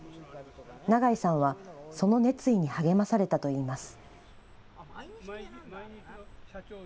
長井さんはその熱意に励まされたといいます。